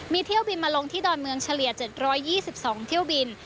มีเที่ยวบินมาลงที่ดอนเมืองเฉลี่ย๗๒๒เที่ยวบิน